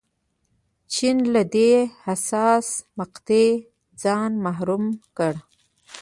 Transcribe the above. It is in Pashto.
چین له دې حساسې مقطعې ځان محروم کړ.